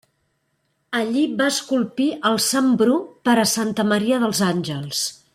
Allí va esculpir el Sant Bru per a Santa Maria dels Àngels.